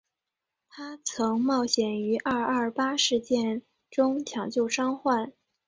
她曾冒险于二二八事件中抢救伤患。